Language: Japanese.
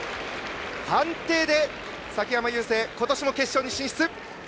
判定で、崎山優成今年も決勝に進出。